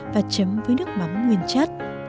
và chấm với nước mắm nguyên chất